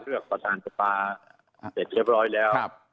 ประธานสภาเสร็จเรียบร้อยแล้ว